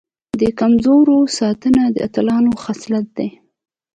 د کمزورو ساتنه د اتلانو خصلت دی.